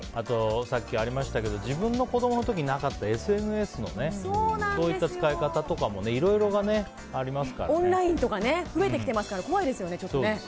自分の子供の時になかったＳＮＳのそういった使い方とかオンラインとか増えてきてますから怖いですよね。